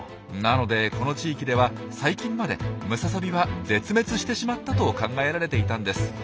なのでこの地域では最近までムササビは絶滅してしまったと考えられていたんです。